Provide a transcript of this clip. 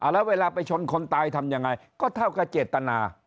แล้วเวลาไปชนคนตายทำยังไงก็เท่ากับเจตนา